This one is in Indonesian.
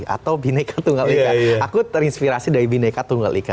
atau bineka tunggal ika aku terinspirasi dari bineka tunggal ika